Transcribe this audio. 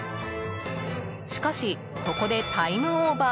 しかし、ここでタイムオーバー。